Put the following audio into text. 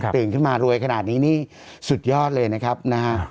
ตื่นขึ้นมารวยขนาดนี้นี่สุดยอดเลยนะครับนะฮะ